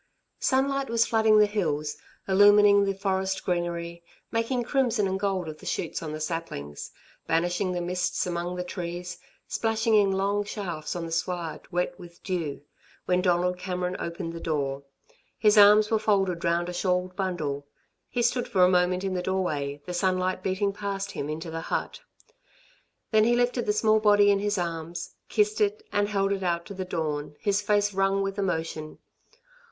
Sunlight was flooding the hills, illumining the forest greenery, making crimson and gold of the shoots on the saplings, banishing the mists among the trees, splashing in long shafts on the sward, wet with dew, when Donald Cameron opened the door. His arms were folded round a shawled bundle. He stood for a moment in the doorway, the sunlight beating past him into the hut. Then he lifted the small body in his arms, kissed it, and held it out to the dawn, his face wrung with emotion.